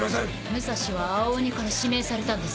武蔵は青鬼から指名されたんです。